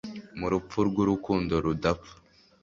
Mu rupfu rwurukundo rudapfa